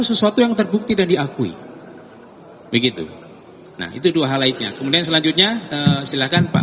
sesuatu yang terbukti dan diakui begitu nah itu dua hal lainnya kemudian selanjutnya silakan pak